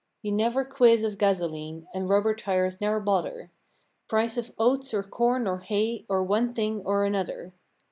You never quiz of gasoline, And rubber tires ne'er bother; Price of oats or corn or hay Or one thing or another.